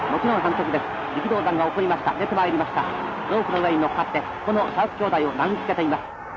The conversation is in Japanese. ロープの上に乗っかってこのシャープ兄弟を殴りつけています。